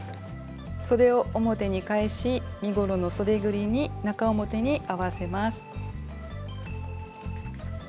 そでを表に返し身ごろのそでぐりに中表に合わせます。